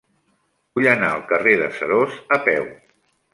Vull anar al carrer de Seròs a peu.